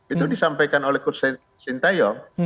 itu disampaikan oleh coach sintayong